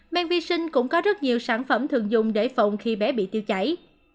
men vi sinh cũng có rất nhiều sản phẩm thường dùng để phòng khi bé bị tiêu chảy